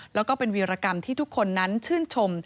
แล้วก็เป็นวีรกรรมที่ทุกคนนั้นชื่นชม